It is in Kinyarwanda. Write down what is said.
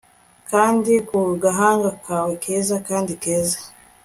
kandi ku gahanga kawe keza kandi keza